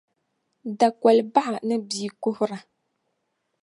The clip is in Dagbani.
Dakoli baɣa ni bia kuhira